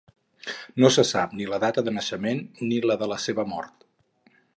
No se sap ni la data de naixement ni la de la seva mort.